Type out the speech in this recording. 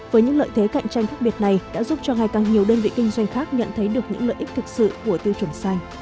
với những lợi thế cạnh tranh khác biệt này đã giúp cho ngày càng nhiều đơn vị kinh doanh khác nhận thấy được những lợi ích thực sự của tiêu chuẩn xanh